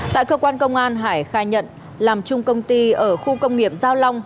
tại cơ quan công an hải khai nhận làm chung công ty ở khu công nghiệp giao long